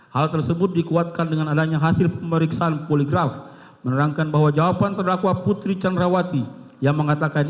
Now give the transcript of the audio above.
hal tersebut dikuatkan dengan adanya hasil pemeriksaan poligraf menerangkan bahwa jawaban terdakwa putri candrawati yang mengatakan